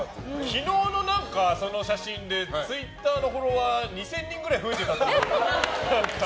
昨日のその写真でツイッターのフォロワー２０００人ぐらい増えてたんだけど。